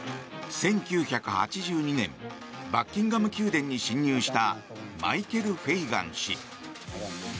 １９８２年バッキンガム宮殿に侵入したマイケル・フェイガン氏。